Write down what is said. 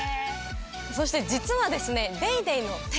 そして実はですね。